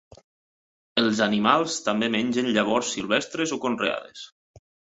Els animals també mengen llavors silvestres o conreades.